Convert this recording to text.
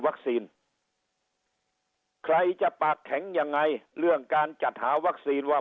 ใครจะปากแข็งยังไงเรื่องการจัดหาวัคซีนว่า